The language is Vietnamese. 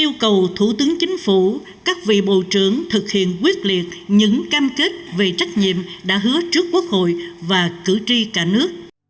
trả lời chức vấn yêu cầu thủ tướng chính phủ các vị bộ trưởng thực hiện quyết liệt những cam kết về trách nhiệm đã hứa trước quốc hội và cử tri cả nước